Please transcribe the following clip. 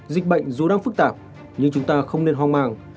dịch bệnh dù đang phức tạp nhưng chúng ta không nên hoang mang